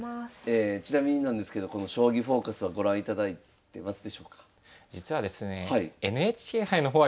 ちなみになんですけどこの「将棋フォーカス」はご覧いただいてますでしょうか？